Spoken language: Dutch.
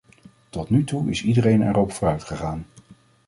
Tot nu toe is iedereen erop vooruit gegaan.